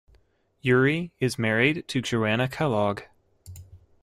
Uhry is married to Joanna Kellogg.